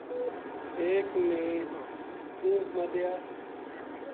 ایک نے سَینہ مدھیا